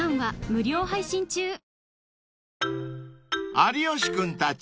［有吉君たち